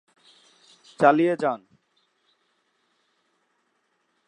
এটি জৈব প্রকৌশল নামক জ্ঞানের শাখার একটি বিশেষায়িত ক্ষেত্র।